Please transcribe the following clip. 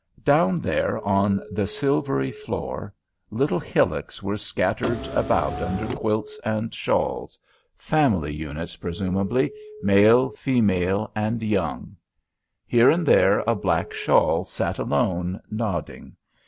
Down there on the silvery floor, little hillocks were scattered about under quilts and shawls; family units, presumably, male, female, and young. Here and there a black shawl sat alone, nodding.